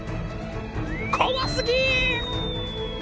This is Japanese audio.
怖すぎ！